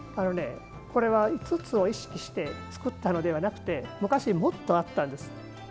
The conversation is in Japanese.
これは５つを意識して作ったのではなくて昔、もっとあったんです。